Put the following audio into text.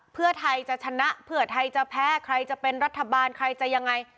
เพื่อไทยจะชนะเพื่อไทยจะแพ้ใครจะเป็นรัฐบาลใครจะยังไง